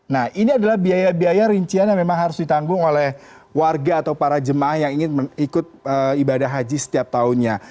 nah ini adalah biaya biaya rincian yang memang harus ditanggung oleh warga atau para jemaah yang ingin ikut ibadah haji setiap tahunnya